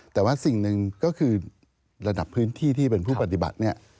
แต่ว่าสิ่งหนึ่งก็คือระดับพื้นที่ที่เป็นผู้ปฏิบัติเนี่ย